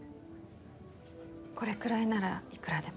これくらいならいくらでも。